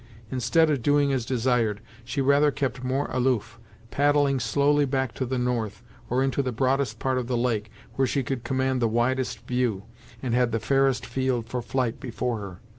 Instead of doing as desired, she rather kept more aloof, paddling slowly back to the north, or into the broadest part of the lake, where she could command the widest view, and had the fairest field for flight before her.